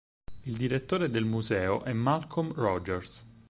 Il direttore del museo è Malcolm Rogers.